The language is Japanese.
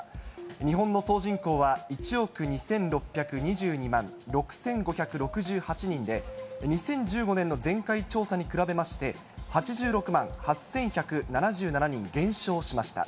日本の総人口は１億２６２２万６５６８人で、２０１５年の前回調査に比べまして、８６万８１７７人減少しました。